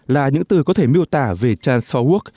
là những từ có thể miêu tả về trans sáu work